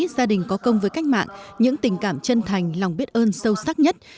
gia đình có công với cách mạng những tình cảm chân thành lòng biết ơn sâu sắc nhất